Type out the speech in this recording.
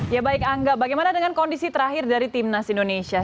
ya baik angga bagaimana dengan kondisi terakhir dari timnas indonesia